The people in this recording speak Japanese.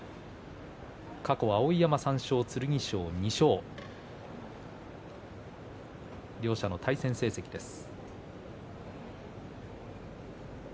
過去、碧山３勝、剣翔２勝両者の対戦成績です。